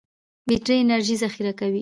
بټري انرژي ذخیره کوي.